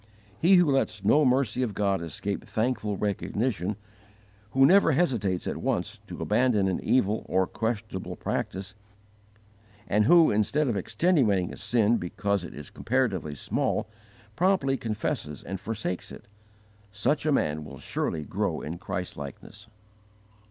He who lets no mercy of God escape thankful recognition, who never hesitates at once to abandon an evil or questionable practice, and who, instead of extenuating a sin because it is comparatively small, promptly confesses and forsakes it, such a man will surely grow in Christlikeness.